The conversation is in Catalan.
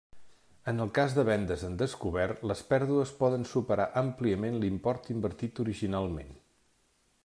En el cas de vendes en descobert les pèrdues poden superar àmpliament l'import invertit originalment.